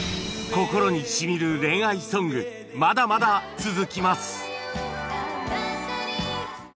心にしみる恋愛ソングまだまだ続きます